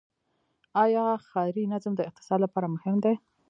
آیا ښاري نظم د اقتصاد لپاره مهم دی؟